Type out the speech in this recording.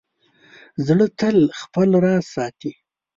زړه تل خپل راز ساتي.